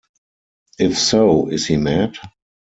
If so, is he mad?